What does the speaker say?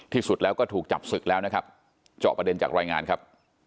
ที่สุดแล้วก็ถูกจับศึกแล้วนะครับเจาะประเด็นจากรายงานครับ